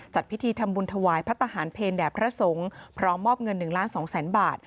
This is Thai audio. จัดพิธีทำบุญถวายพระทหารเพลแด่พระสงฆ์พร้อมมอบเงิน๑ล้าน๒แสนบาท